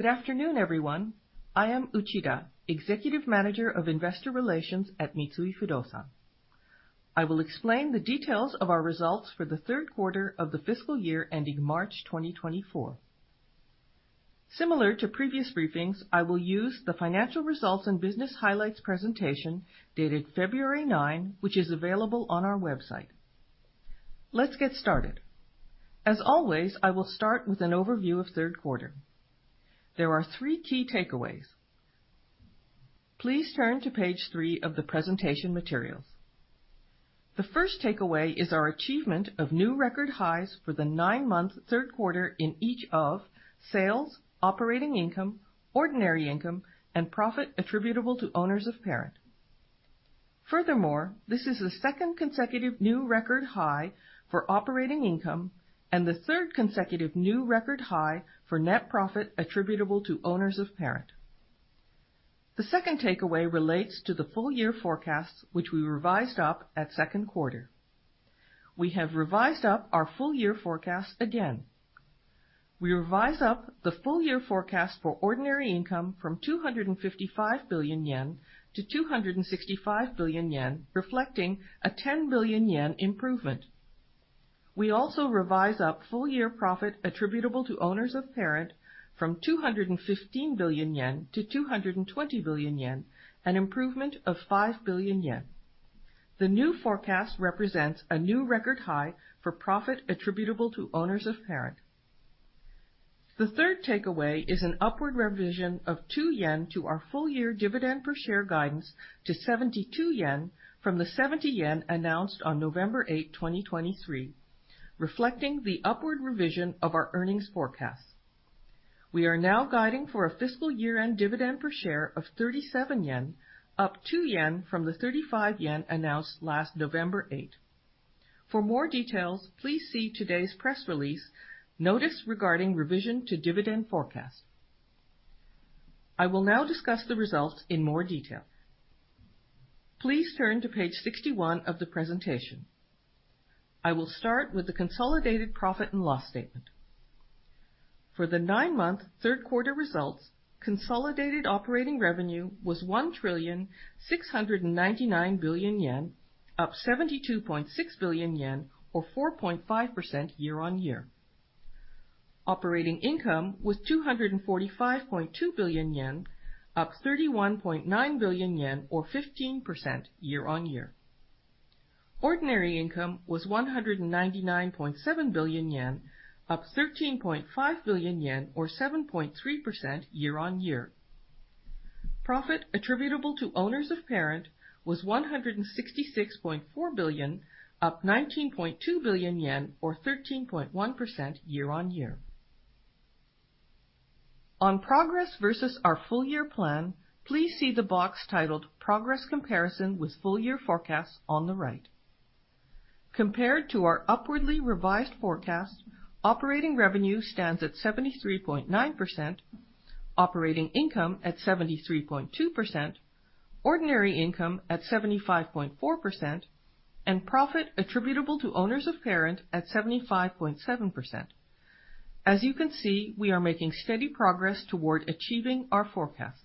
Good afternoon, everyone. I am Uchida, Executive Manager of Investor Relations at Mitsui Fudosan. I will explain the details of our results for the third quarter of the fiscal year ending March 2024. Similar to previous briefings, I will use the Financial Results and Business Highlights presentation dated February 9, which is available on our website. Let's get started. As always, I will start with an overview of third quarter. There are three key takeaways. Please turn to page 3 of the presentation materials. The first takeaway is our achievement of new record highs for the 9-month third quarter in each of sales, operating income, ordinary income, and profit attributable to owners of parent. Furthermore, this is the second consecutive new record high for operating income and the third consecutive new record high for net profit attributable to owners of parent. The second takeaway relates to the full-year forecasts, which we revised up at second quarter. We have revised up our full-year forecast again. We revised up the full-year forecast for ordinary income from 255 billion yen to 265 billion yen, reflecting a 10 billion yen improvement. We also revised up full-year profit attributable to owners of parent from 215 billion yen to 220 billion yen, an improvement of 5 billion yen. The new forecast represents a new record high for profit attributable to owners of parent. The third takeaway is an upward revision of 2 yen to our full-year dividend per share guidance to 72 yen from the 70 yen announced on November 8, 2023, reflecting the upward revision of our earnings forecast. We are now guiding for a fiscal year-end dividend per share of 37 yen, up 2 yen from the 35 yen announced last November 8. For more details, please see today's press release notice regarding revision to dividend forecast. I will now discuss the results in more detail. Please turn to page 61 of the presentation. I will start with the consolidated profit and loss statement. For the 9-month third quarter results, consolidated operating revenue was 1,699 billion yen, up 72.6 billion yen or 4.5% year-on-year. Operating income was 245.2 billion yen, up 31.9 billion yen or 15% year-on-year. Ordinary income was 199.7 billion yen, up 13.5 billion yen or 7.3% year-on-year. Profit attributable to owners of parent was 166.4 billion, up 19.2 billion yen or 13.1% year-on-year. On progress versus our full-year plan, please see the box titled "Progress Comparison with Full-Year Forecast" on the right. Compared to our upwardly revised forecast, operating revenue stands at 73.9%, operating income at 73.2%, ordinary income at 75.4%, and profit attributable to owners of parent at 75.7%. As you can see, we are making steady progress toward achieving our forecast.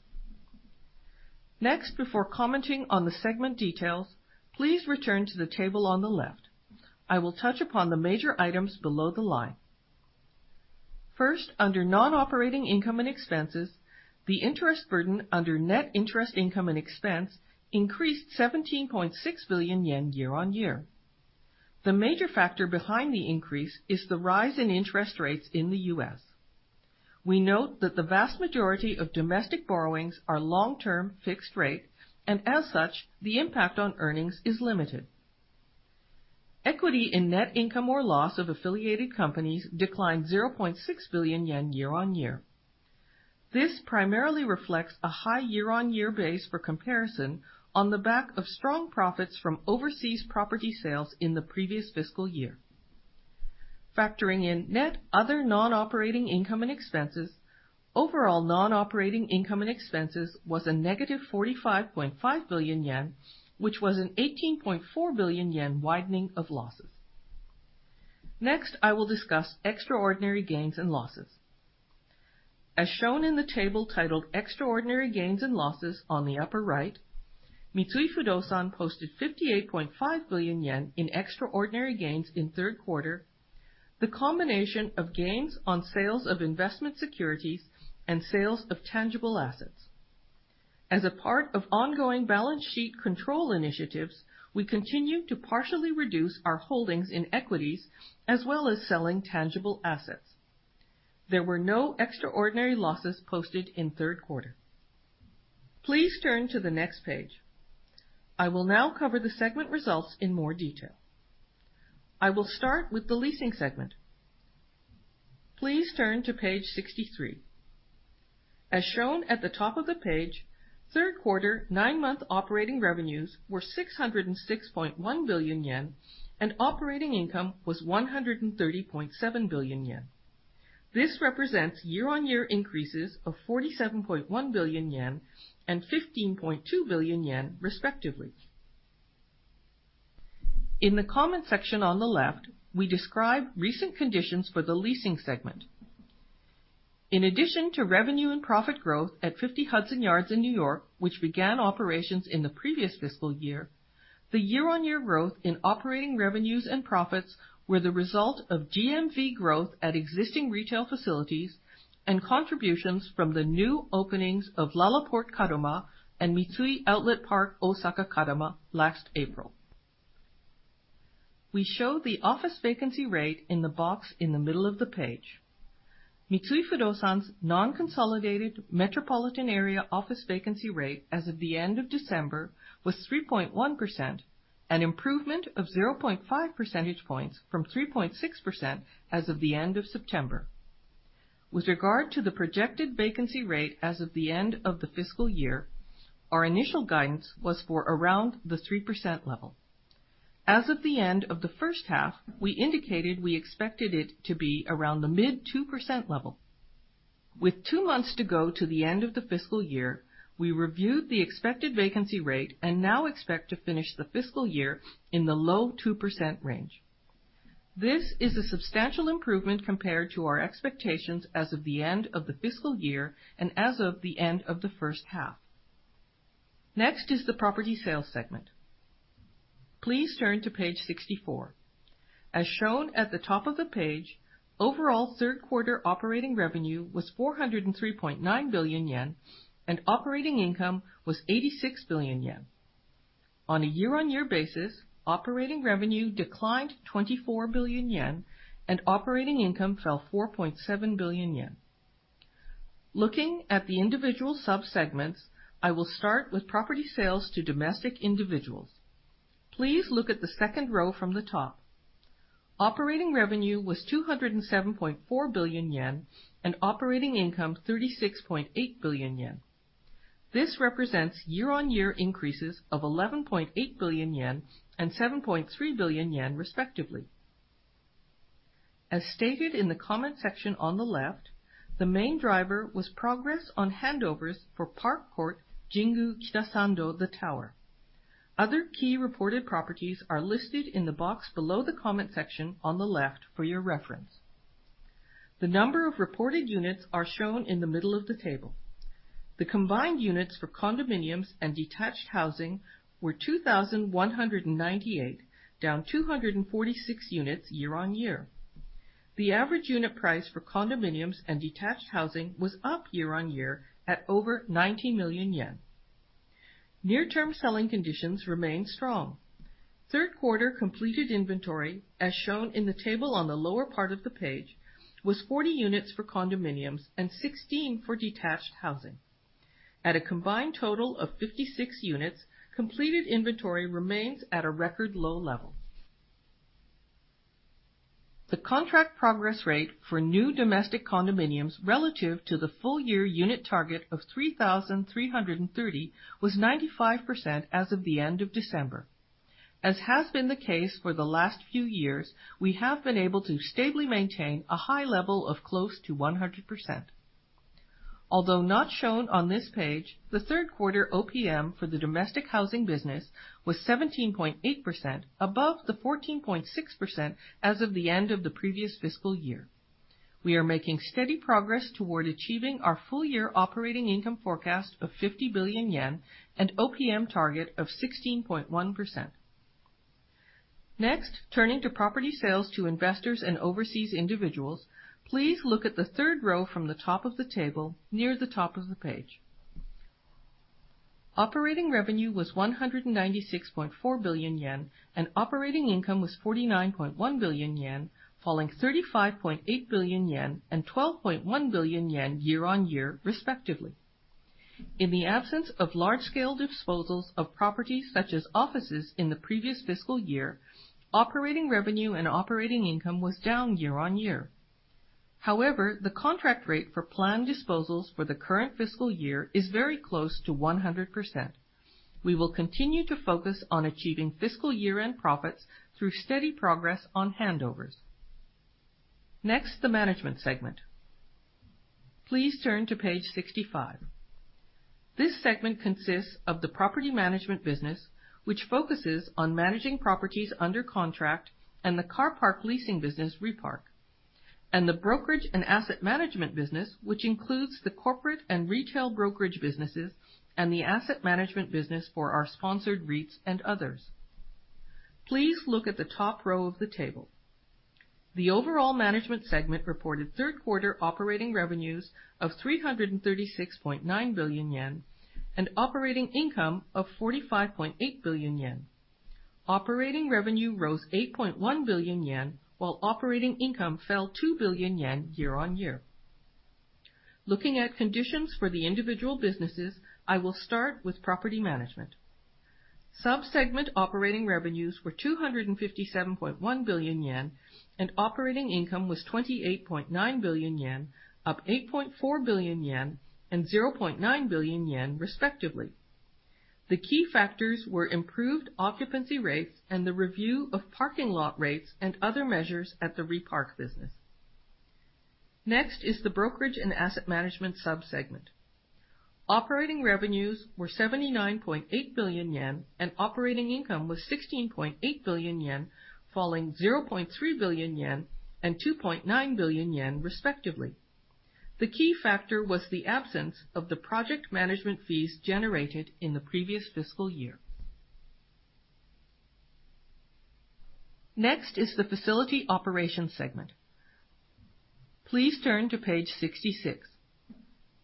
Next, before commenting on the segment details, please return to the table on the left. I will touch upon the major items below the line. First, under non-operating income and expenses, the interest burden under net interest income and expense increased 17.6 billion yen year-on-year. The major factor behind the increase is the rise in interest rates in the U.S. We note that the vast majority of domestic borrowings are long-term fixed rate, and as such, the impact on earnings is limited. Equity in net income or loss of affiliated companies declined 0.6 billion yen year-on-year. This primarily reflects a high year-on-year base for comparison on the back of strong profits from overseas property sales in the previous fiscal year. Factoring in net other non-operating income and expenses, overall non-operating income and expenses was -45.5 billion yen, which was a 18.4 billion yen widening of losses. Next, I will discuss extraordinary gains and losses. As shown in the table titled "Extraordinary Gains and Losses" on the upper right, Mitsui Fudosan posted 58.5 billion yen in extraordinary gains in third quarter, the combination of gains on sales of investment securities and sales of tangible assets. As a part of ongoing balance sheet control initiatives, we continue to partially reduce our holdings in equities as well as selling tangible assets. There were no extraordinary losses posted in third quarter. Please turn to the next page. I will now cover the segment results in more detail. I will start with the leasing segment. Please turn to page 63. As shown at the top of the page, third quarter 9-month operating revenues were 606.1 billion yen, and operating income was 130.7 billion yen. This represents year-on-year increases of 47.1 billion yen and 15.2 billion yen, respectively. In the comment section on the left, we describe recent conditions for the leasing segment. In addition to revenue and profit growth at 50 Hudson Yards in New York, which began operations in the previous fiscal year, the year-on-year growth in operating revenues and profits were the result of GMV growth at existing retail facilities and contributions from the new openings of LaLaport KADOMA and Mitsui Outlet Park OSAKA KADOMA last April. We show the office vacancy rate in the box in the middle of the page. Mitsui Fudosan's non-consolidated metropolitan area office vacancy rate as of the end of December was 3.1%, an improvement of 0.5 percentage points from 3.6% as of the end of September. With regard to the projected vacancy rate as of the end of the fiscal year, our initial guidance was for around the 3% level. As of the end of the first half, we indicated we expected it to be around the mid-2% level. With two months to go to the end of the fiscal year, we reviewed the expected vacancy rate and now expect to finish the fiscal year in the low 2% range. This is a substantial improvement compared to our expectations as of the end of the fiscal year and as of the end of the first half. Next is the property sales segment. Please turn to page 64. As shown at the top of the page, overall third quarter operating revenue was 403.9 billion yen, and operating income was 86 billion yen. On a year-on-year basis, operating revenue declined 24 billion yen, and operating income fell 4.7 billion yen. Looking at the individual subsegments, I will start with property sales to domestic individuals. Please look at the second row from the top. Operating revenue was 207.4 billion yen, and operating income 36.8 billion yen. This represents year-on-year increases of 11.8 billion yen and 7.3 billion yen, respectively. As stated in the comment section on the left, the main driver was progress on handovers for Park Court Jingu Kitasando The Tower. Other key reported properties are listed in the box below the comment section on the left for your reference. The number of reported units are shown in the middle of the table. The combined units for condominiums and detached housing were 2,198, down 246 units year-on-year. The average unit price for condominiums and detached housing was up year-on-year at over 90 million yen. Near-term selling conditions remain strong. Third quarter completed inventory, as shown in the table on the lower part of the page, was 40 units for condominiums and 16 for detached housing. At a combined total of 56 units, completed inventory remains at a record low level. The contract progress rate for new domestic condominiums relative to the full-year unit target of 3,330 was 95% as of the end of December. As has been the case for the last few years, we have been able to stably maintain a high level of close to 100%. Although not shown on this page, the third quarter OPM for the domestic housing business was 17.8%, above the 14.6% as of the end of the previous fiscal year. We are making steady progress toward achieving our full-year operating income forecast of 50 billion yen and OPM target of 16.1%. Next, turning to property sales to investors and overseas individuals, please look at the third row from the top of the table near the top of the page. Operating revenue was 196.4 billion yen, and operating income was 49.1 billion yen, falling 35.8 billion yen and 12.1 billion yen year-on-year, respectively. In the absence of large-scale disposals of properties such as offices in the previous fiscal year, operating revenue and operating income was down year-on-year. However, the contract rate for planned disposals for the current fiscal year is very close to 100%. We will continue to focus on achieving fiscal year-end profits through steady progress on handovers. Next, the management segment. Please turn to page 65. This segment consists of the property management business, which focuses on managing properties under contract, and the car park leasing business Repark, and the brokerage and asset management business, which includes the corporate and retail brokerage businesses and the asset management business for our sponsored REITs and others. Please look at the top row of the table. The overall management segment reported third quarter operating revenues of 336.9 billion yen and operating income of 45.8 billion yen. Operating revenue rose 8.1 billion yen, while operating income fell 2 billion yen year-on-year. Looking at conditions for the individual businesses, I will start with property management. Subsegment operating revenues were 257.1 billion yen, and operating income was 28.9 billion yen, up 8.4 billion yen and 0.9 billion yen, respectively. The key factors were improved occupancy rates and the review of parking lot rates and other measures at the Repark business. Next is the brokerage and asset management subsegment. Operating revenues were 79.8 billion yen, and operating income was 16.8 billion yen, falling 0.3 billion yen and 2.9 billion yen, respectively. The key factor was the absence of the project management fees generated in the previous fiscal year. Next is the facility operations segment. Please turn to page 66.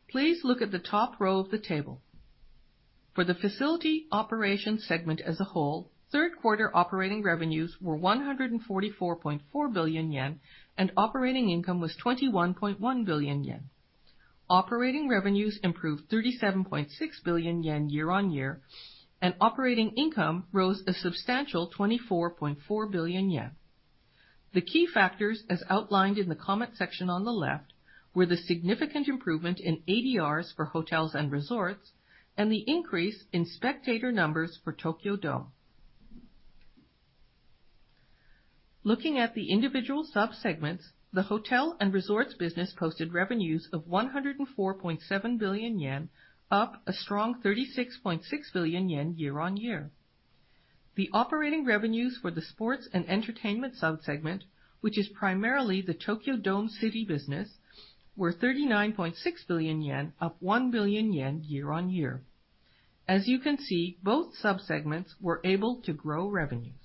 Please look at the top row of the table. For the facility operations segment as a whole, third quarter operating revenues were 144.4 billion yen, and operating income was 21.1 billion yen. Operating revenues improved 37.6 billion yen year-on-year, and operating income rose a substantial 24.4 billion yen. The key factors, as outlined in the comment section on the left, were the significant improvement in ADRs for hotels and resorts and the increase in spectator numbers for Tokyo Dome. Looking at the individual subsegments, the hotel and resorts business posted revenues of 104.7 billion yen, up a strong 36.6 billion yen year-on-year. The operating revenues for the sports and entertainment subsegment, which is primarily the Tokyo Dome City business, were 39.6 billion yen, up 1 billion yen year-on-year. As you can see, both subsegments were able to grow revenues.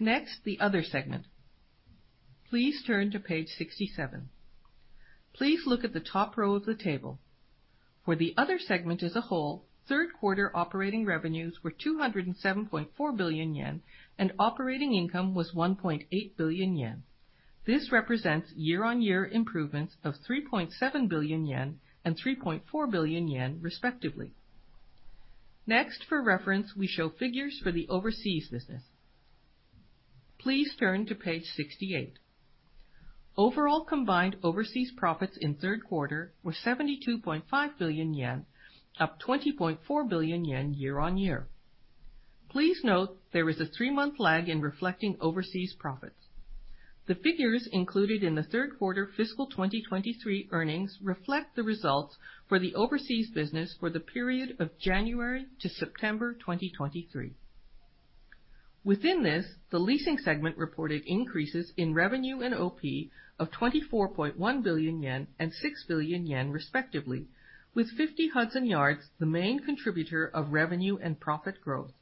Next, the other segment. Please turn to page 67. Please look at the top row of the table. For the other segment as a whole, third quarter operating revenues were 207.4 billion yen, and operating income was 1.8 billion yen. This represents year-on-year improvements of 3.7 billion yen and 3.4 billion yen, respectively. Next, for reference, we show figures for the overseas business. Please turn to page 68. Overall combined overseas profits in third quarter were 72.5 billion yen, up 20.4 billion yen year-on-year. Please note there is a three-month lag in reflecting overseas profits. The figures included in the third quarter fiscal 2023 earnings reflect the results for the overseas business for the period of January to September 2023. Within this, the leasing segment reported increases in revenue and OP of 24.1 billion yen and 6 billion yen, respectively, with 50 Hudson Yards the main contributor of revenue and profit growth.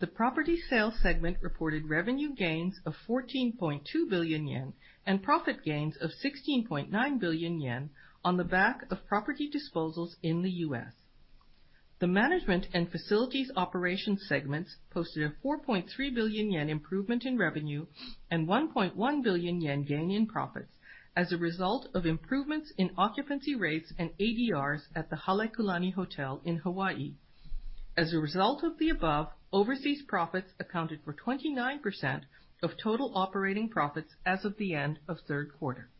The property sales segment reported revenue gains of 14.2 billion yen and profit gains of 16.9 billion yen on the back of property disposals in the U.S. The management and facilities operations segments posted a 4.3 billion yen improvement in revenue and 1.1 billion yen gain in profits as a result of improvements in occupancy rates and ADRs at the Halekulani Hotel in Hawaii. As a result of the above, overseas profits accounted for 29% of total operating profits as of the end of third quarter.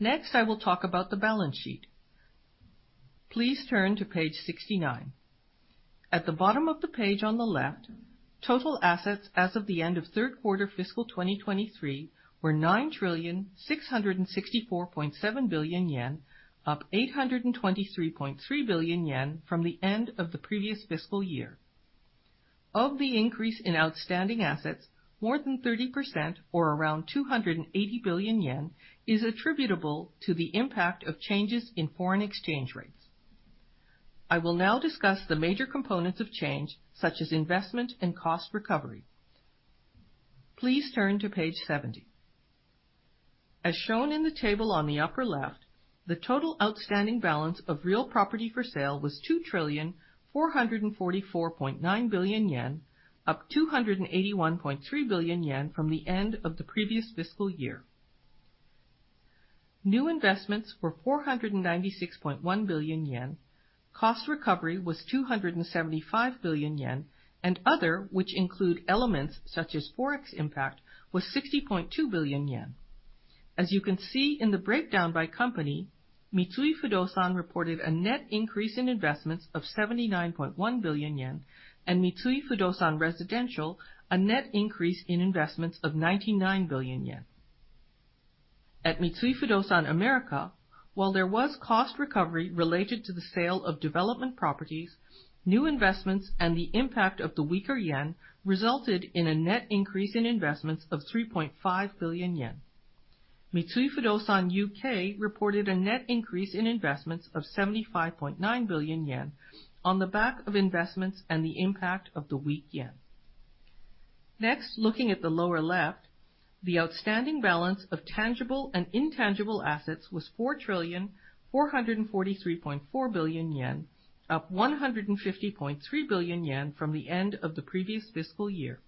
Next, I will talk about the balance sheet. Please turn to page 69. At the bottom of the page on the left, total assets as of the end of third quarter fiscal 2023 were 9,664.7 billion yen, up 823.3 billion yen from the end of the previous fiscal year. Of the increase in outstanding assets, more than 30%, or around 280 billion yen, is attributable to the impact of changes in foreign exchange rates. I will now discuss the major components of change, such as investment and cost recovery. Please turn to page 70. As shown in the table on the upper left, the total outstanding balance of real property for sale was 2,444.9 billion yen, up 281.3 billion yen from the end of the previous fiscal year. New investments were 496.1 billion yen, cost recovery was 275 billion yen, and other, which include elements such as forex impact, was 60.2 billion yen. As you can see in the breakdown by company, Mitsui Fudosan reported a net increase in investments of 79.1 billion yen, and Mitsui Fudosan Residential a net increase in investments of 99 billion yen. At Mitsui Fudosan America, while there was cost recovery related to the sale of development properties, new investments and the impact of the weaker yen resulted in a net increase in investments of 3.5 billion yen. Mitsui Fudosan UK reported a net increase in investments of 75.9 billion yen on the back of investments and the impact of the weak yen. Next, looking at the lower left, the outstanding balance of tangible and intangible assets was 4,443.4 billion yen, up 150.3 billion yen from the end of the previous fiscal year.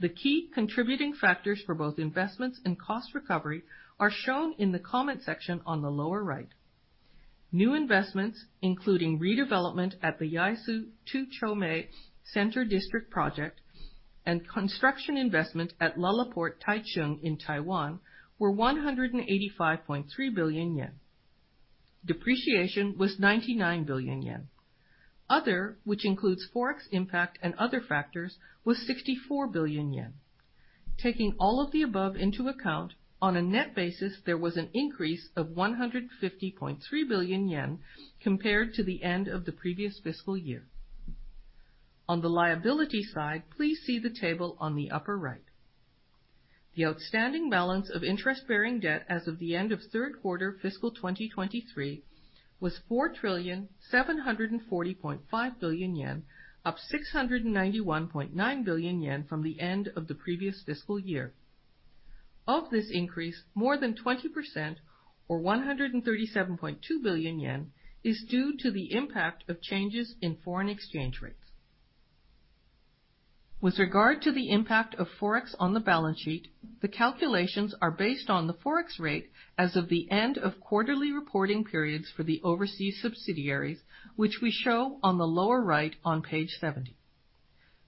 The key contributing factors for both investments and cost recovery are shown in the comment section on the lower right. New investments, including redevelopment at the Yaesu 2-Chome Central District project and construction investment at LaLaport Taichung in Taiwan, were 185.3 billion yen. Depreciation was 99 billion yen. Other, which includes forex impact and other factors, was 64 billion yen. Taking all of the above into account, on a net basis there was an increase of 150.3 billion yen compared to the end of the previous fiscal year. On the liability side, please see the table on the upper right. The outstanding balance of interest-bearing debt as of the end of third quarter fiscal 2023 was 4,740.5 billion yen, up 691.9 billion yen from the end of the previous fiscal year. Of this increase, more than 20%, or 137.2 billion yen, is due to the impact of changes in foreign exchange rates. With regard to the impact of forex on the balance sheet, the calculations are based on the forex rate as of the end of quarterly reporting periods for the overseas subsidiaries, which we show on the lower right on page 70.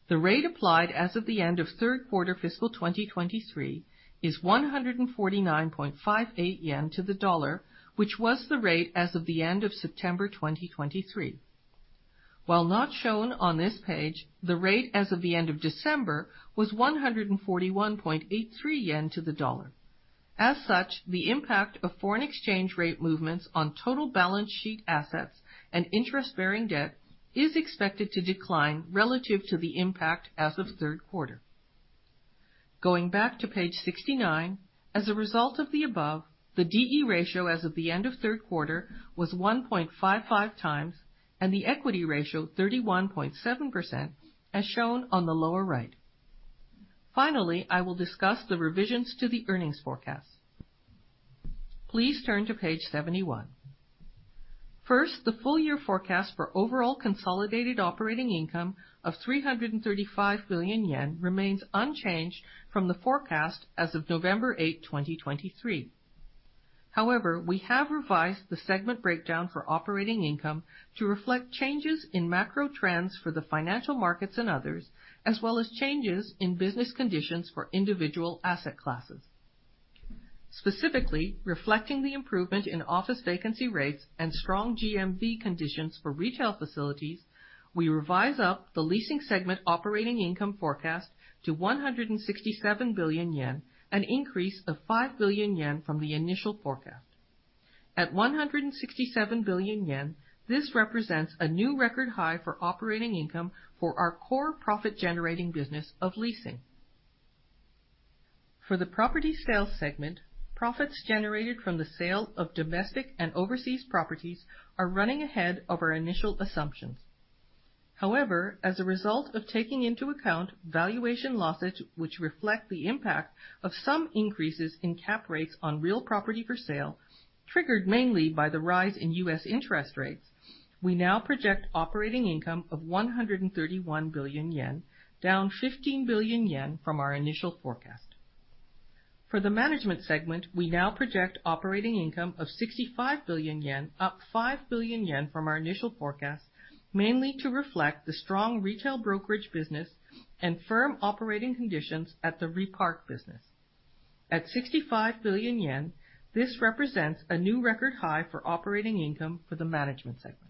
The rate applied as of the end of third quarter fiscal 2023 is 149.58 yen to the dollar, which was the rate as of the end of September 2023. While not shown on this page, the rate as of the end of December was 141.83 yen to the USD. As such, the impact of foreign exchange rate movements on total balance sheet assets and interest-bearing debt is expected to decline relative to the impact as of third quarter. Going back to page 69, as a result of the above, the D/E ratio as of the end of third quarter was 1.55 times and the equity ratio 31.7%, as shown on the lower right. Finally, I will discuss the revisions to the earnings forecast. Please turn to page 71. First, the full-year forecast for overall consolidated operating income of 335 billion yen remains unchanged from the forecast as of November 8, 2023. However, we have revised the segment breakdown for operating income to reflect changes in macro trends for the financial markets and others, as well as changes in business conditions for individual asset classes. Specifically, reflecting the improvement in office vacancy rates and strong GMV conditions for retail facilities, we revise up the leasing segment operating income forecast to 167 billion yen, an increase of 5 billion yen from the initial forecast. At 167 billion yen, this represents a new record high for operating income for our core profit-generating business of leasing. For the property sales segment, profits generated from the sale of domestic and overseas properties are running ahead of our initial assumptions. However, as a result of taking into account valuation losses, which reflect the impact of some increases in cap rates on real property for sale, triggered mainly by the rise in U.S. interest rates, we now project operating income of 131 billion yen, down 15 billion yen from our initial forecast. For the management segment, we now project operating income of 65 billion yen, up 5 billion yen from our initial forecast, mainly to reflect the strong retail brokerage business and firm operating conditions at the Repark business. At 65 billion yen, this represents a new record high for operating income for the management segment.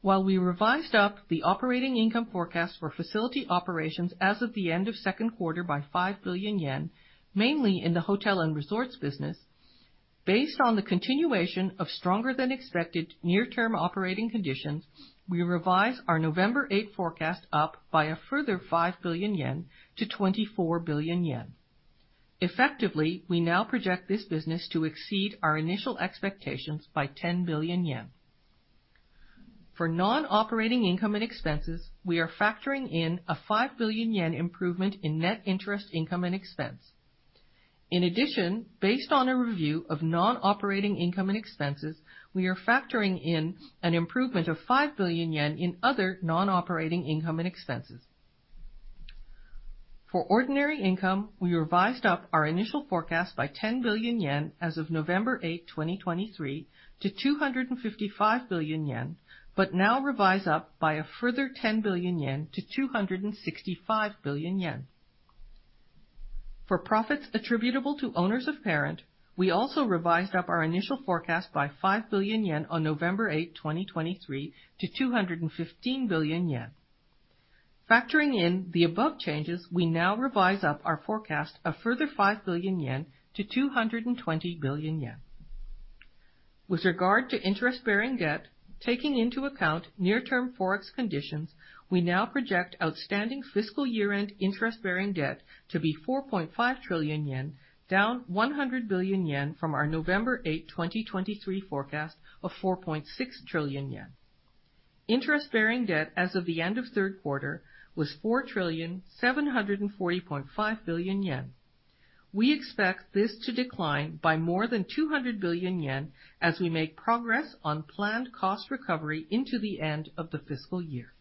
While we revised up the operating income forecast for facility operations as of the end of second quarter by 5 billion yen, mainly in the hotel and resorts business, based on the continuation of stronger-than-expected near-term operating conditions, we revise our November 8 forecast up by a further 5 billion yen to 24 billion yen. Effectively, we now project this business to exceed our initial expectations by 10 billion yen. For non-operating income and expenses, we are factoring in a 5 billion yen improvement in net interest income and expense. In addition, based on a review of non-operating income and expenses, we are factoring in an improvement of 5 billion yen in other non-operating income and expenses. For ordinary income, we revised up our initial forecast by 10 billion yen as of November 8, 2023, to 255 billion yen, but now revise up by a further 10 billion yen to 265 billion yen. For profits attributable to owners of parent, we also revised up our initial forecast by 5 billion yen on November 8, 2023, to 215 billion yen. Factoring in the above changes, we now revise up our forecast a further 5 billion yen to 220 billion yen. With regard to interest-bearing debt, taking into account near-term forex conditions, we now project outstanding fiscal year-end interest-bearing debt to be 4.5 trillion yen, down 100 billion yen from our November 8, 2023, forecast of 4.6 trillion yen. Interest-bearing debt as of the end of third quarter was 4,740.5 billion yen. We expect this to decline by more than 200 billion yen as we make progress on planned cost recovery into the end of the fiscal year.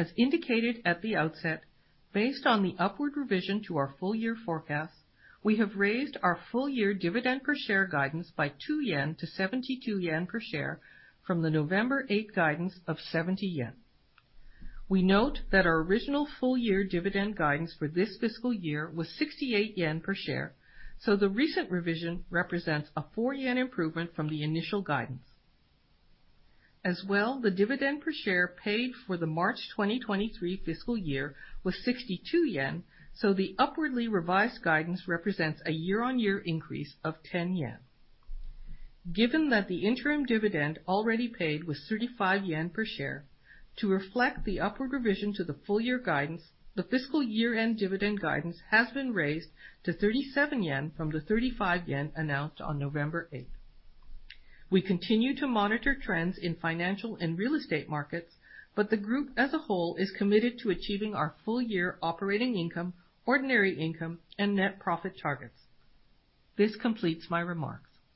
As indicated at the outset, based on the upward revision to our full-year forecast, we have raised our full-year dividend per share guidance by 2 yen to 72 yen per share from the November 8 guidance of 70 yen. We note that our original full-year dividend guidance for this fiscal year was 68 yen per share, so the recent revision represents a 4 yen improvement from the initial guidance. As well, the dividend per share paid for the March 2023 fiscal year was 62 yen, so the upwardly revised guidance represents a year-on-year increase of 10 yen. Given that the interim dividend already paid was 35 yen per share, to reflect the upward revision to the full-year guidance, the fiscal year-end dividend guidance has been raised to 37 yen from the 35 yen announced on November 8. We continue to monitor trends in financial and real estate markets, but the group as a whole is committed to achieving our full-year operating income, ordinary income, and net profit targets. This completes my remarks.